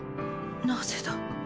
なぜだ？